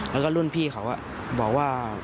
แล้วก็รุ่นพี่เขาบอกว่า